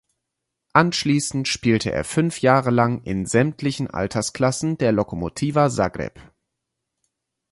Anschließend spielte er fünf Jahre lang in sämtlichen Altersklassen der Lokomotiva Zagreb.